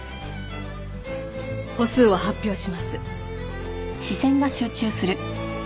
歩数を発表します。